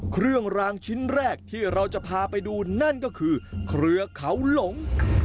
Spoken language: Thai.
เครื่องรางชิ้นแรกที่เราจะพาไปดูนั่นก็คือเครือเขาหลง